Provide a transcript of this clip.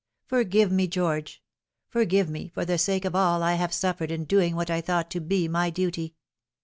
Forgive me, George ; forgive me for the sake of all I have suffered in doing what I thought to be my duty